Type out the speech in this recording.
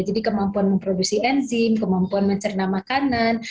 jadi kemampuan memproduksi enzim kemampuan mencerna makanan